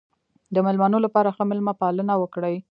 د مېلمنو لپاره ښه مېلمه پالنه وکړئ.